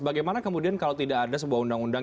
bagaimana kemudian kalau tidak ada sebuah undang undang